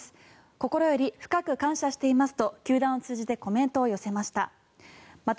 心より深く感謝していますと球団を通じてコメントを寄せました。